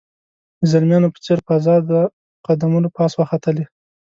د زلمیانو په څېر په آزاده قدمونو پاس وختلې.